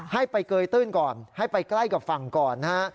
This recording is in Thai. ให้ไปเกยตื้นก่อนให้ไปใกล้กับฝั่งก่อนนะฮะ